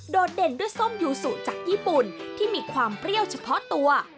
เด่นด้วยส้มยูสุจากญี่ปุ่นที่มีความเปรี้ยวเฉพาะตัว